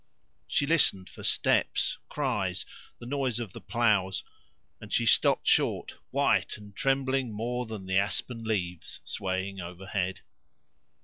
She listened for steps, cries, the noise of the ploughs, and she stopped short, white, and trembling more than the aspen leaves swaying overhead.